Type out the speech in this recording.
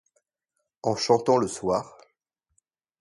En chantant le soir.